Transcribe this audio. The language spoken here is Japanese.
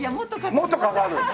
もっとかかる！